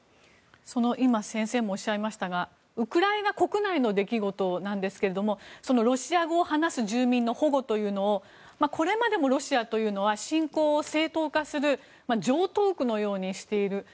今先生もおっしゃいましたがウクライナ国内の出来事なんですけれどもロシア語を話す住民の保護というのをこれまでもロシアというのは侵攻を正当化する常套句のようにしている。